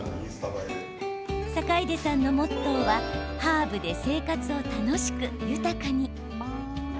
坂出さんのモットーはハーブで生活を楽しく豊かに。